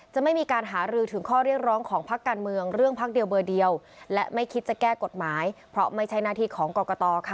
จะไม่มีขิตข่าวเรียบร้องของทางเดียวเมืองและใช้บัญชาหน้าชาชอ